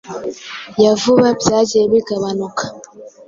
ya vuba byagiye bigabanuka.